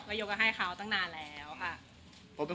ก็ยกให้เขาตั้งนานแล้วค่ะ